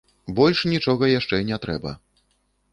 Больш нічога яшчэ не трэба.